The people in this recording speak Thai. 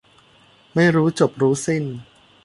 ไม่รู้จบรู้สิ้น